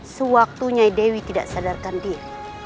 sewaktu nyai dewi tidak sadarkan diri